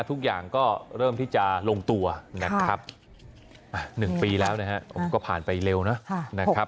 ทุกอย่างก็เริ่มที่จะลงตัวนะครับ๑ปีแล้วนะครับผมก็ผ่านไปเร็วนะครับ